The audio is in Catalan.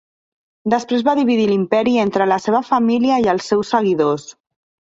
Després va dividir l'imperi entre la seva família i els seus seguidors.